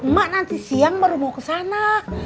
mak nanti siang baru mau kesana